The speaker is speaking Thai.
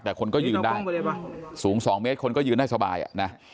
แต่คนก็ยืนได้สูงสองเมตรคนก็ยืนให้สบายอะ